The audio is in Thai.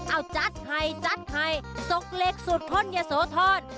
เอาจัดให้จัดให้สกเล็กสุดพ่นอย่าโสทอด